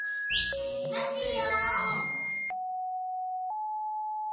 待ってるよ！